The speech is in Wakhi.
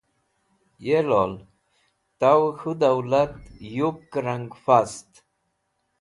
Ye Lol! Tawey K̃hu Dawlat Yupke Rang Fast